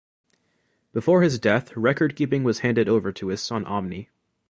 Before his death, record keeping was handed over to his son Omni.